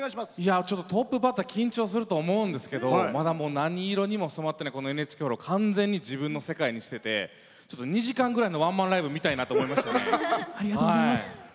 トップバッター緊張すると思うんですけどまだ何色にも染まっていないＮＨＫホール完全に自分の世界にしていて２時間ぐらいのワンマンライブ見たいと思いました。